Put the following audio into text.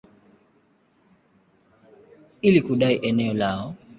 ili kudai eneo lao.